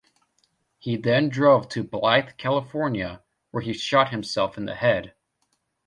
He then drove to Blythe, California, where he shot himself in the head.